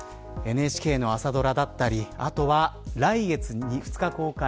ＮＨＫの朝ドラだったりあとは来月２日公開